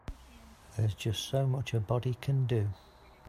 There's just so much a body can do.